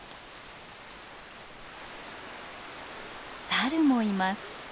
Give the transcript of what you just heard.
サルもいます。